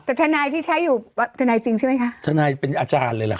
แต่ทนายที่ใช้อยู่ทนายจริงใช่ไหมคะทนายเป็นอาจารย์เลยเหรอค